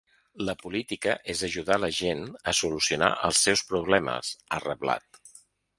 La política és ajudar la gent a solucionar els seus problemes, ha reblat.